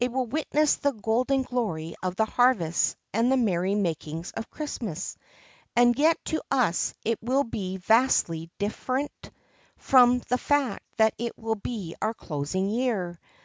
It will witness the golden glory of the harvest, and the merry makings of Christmas. And yet to us it will be vastly different, from the fact that it will be our closing year.